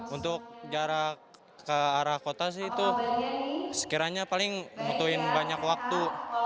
untuk jarak ke arah kota sih itu sekiranya paling butuhin banyak waktu